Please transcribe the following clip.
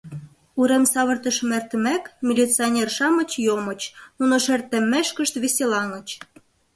Урем савыртышым эртымек, милиционер-шамыч йомыч, нуно шер теммешкышт веселаҥыч.